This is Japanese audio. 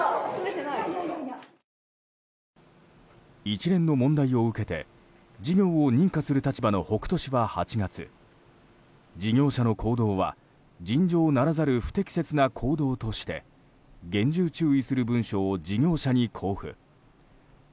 一連の問題を受けて事業を認可する立場の北杜市は８月事業者の行動は尋常ならざる不適切な行動として厳重注意する文書を事業者に交付。